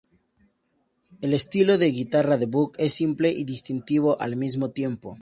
El estilo de guitarra de Buck es simple y distintivo al mismo tiempo.